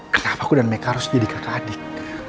kenapa aku dan meka harus jadi kakak adik